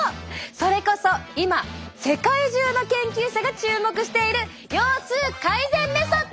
それこそ今世界中の研究者が注目している腰痛改善メソッド